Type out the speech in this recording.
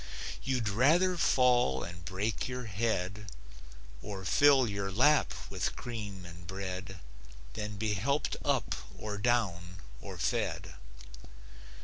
You'd rather fall and break your head, Or fill your lap with cream and bread Than be helped up or down, or fed.